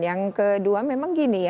yang kedua memang gini ya